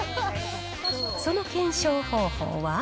その検証方法は？